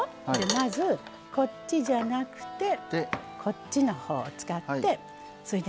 まずこっちじゃなくてこっちのほうを使ってそれでねいい？